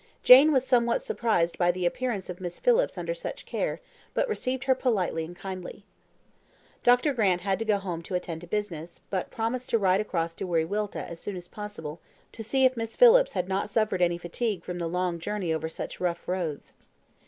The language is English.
Jane was somewhat surprised by the appearance of Miss Phillips under such care, but received her politely and kindly. Dr. Grant had to go home to attend to business, but promised to ride across to Wiriwilta, as soon as possible, to see if Miss Phillips had not suffered any fatigue from the long journey over such rough roads.